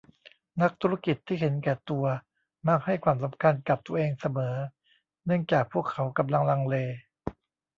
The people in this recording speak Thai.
นักธุรกิจที่เห็นแก่ตัวมักให้ความสำคัญกับตัวเองเสมอเนื่องจากพวกเขากำลังลังเล